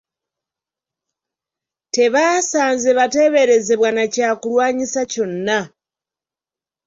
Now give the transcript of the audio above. Tebaasanze bateeberezebwa na kyakulwanyisa kyonna.